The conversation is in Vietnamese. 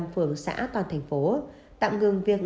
hai mươi năm phường xã toàn thành phố tạm ngừng việc